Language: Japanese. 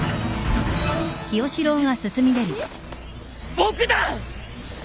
僕だ！